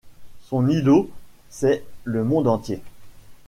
Son îlot, c’est le monde entier.